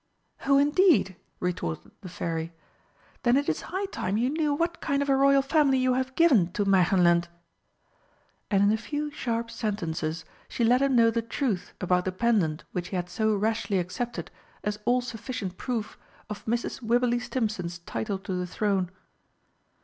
"Oh, indeed?" retorted the Fairy. "Then it is high time you knew what kind of a Royal Family you have given to Märchenland!" And in a few sharp sentences she let him know the truth about the pendant which he had so rashly accepted as all sufficient proof of Mrs. Wibberley Stimpson's title to the throne.